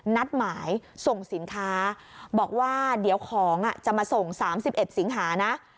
นัดหมายส่งสินค้าบอกว่าเดี๋ยวของจะมาส่ง๓๑สิงหานะ